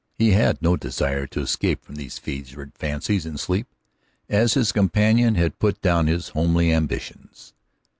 He had no desire to escape from these fevered fancies in sleep, as his companion had put down his homely ambitions.